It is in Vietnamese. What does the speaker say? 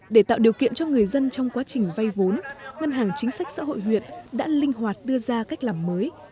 để tạo điều kiện cho người dân trong quá trình vay vốn ngân hàng chính sách xã hội huyện đã linh hoạt đưa ra cách làm mới